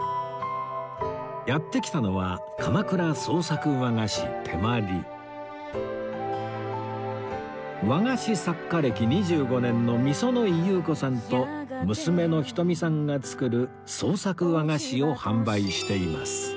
やって来たのは和菓子作家歴２５年の御園井裕子さんと娘のひとみさんが作る創作和菓子を販売しています